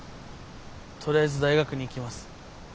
とりあえず大学に行きます。